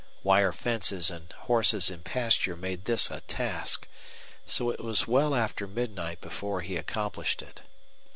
Wire fences and horses in pasture made this a task, so it was well after midnight before he accomplished it.